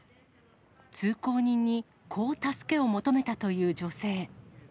通行人に、こう助けを求めたという女性。